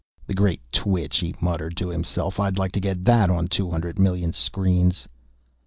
"'The Great Twitch'," he muttered to himself, "I'd like to get that on two hundred million screens!"